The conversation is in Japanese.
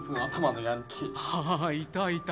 ああいたいた。